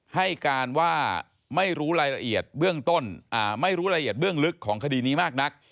ให้การว่าไม่รู้รายละเอียดเบื้องต้นไม่รู้รายละเอียดเบื้องลึกของคดีนี้มากนัก